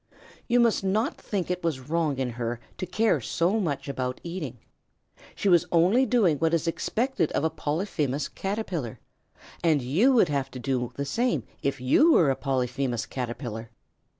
You must not think that it was wrong in her to care so much about eating. She was only doing what is expected of a Polyphemus Caterpillar, and you would have to do the same if you were a Polyphemus Caterpillar.